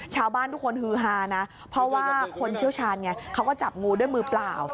ชาวบ้านทุกคนฮือฮานะเพราะว่าคนเชี่ยวชาญไงเขาก็จับงูด้วยมือเปล่า